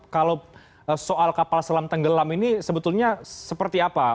kalau soal kapal selam tenggelam ini sebetulnya seperti apa